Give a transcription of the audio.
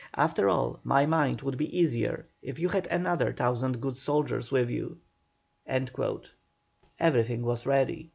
After all, my mind would be easier if you had another thousand good soldiers with you." Everything was ready.